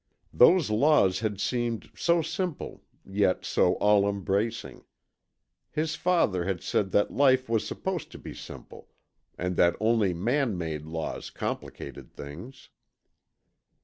Those laws had seemed so simple, yet so all embracing. His father had said that life was supposed to be simple and that only man made laws complicated things.